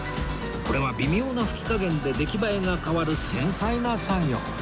これは微妙な吹き加減で出来栄えが変わる繊細な作業